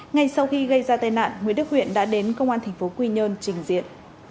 ngay sau khi gây ra tai nạn nguyễn đức huyện đã đến công an tp quy nhơn trình diện